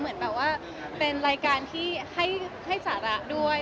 เหมือนว่าเป็นรายการที่ให้ศาลำด้วย